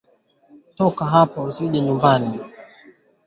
Dalili nyinginezo za ugonjwa huu